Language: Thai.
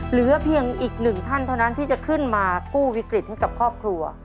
เหลือเพียงอีกหนึ่งท่านเท่านั้นที่จะขึ้นมากู้วิกฤตให้กับครอบครัว